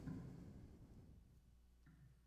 Vafo shevasiga qilgancha gumon